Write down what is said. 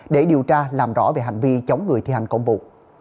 để điều tra làm rõ về hành vi chống người thi hành công vụ